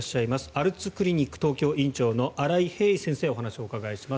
アルツクリニック東京院長の新井平伊先生にお話をお伺いします。